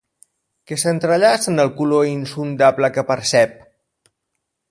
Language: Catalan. Què s'entrellaça en el color insondable que percep?